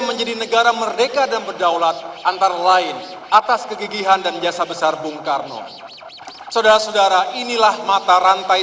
karena negeri tercinta ini telah diselamatkan oleh presiden soeharto dari berbagai serangan asing dan terkenal